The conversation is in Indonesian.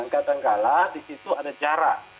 kadangkala di situ ada jarak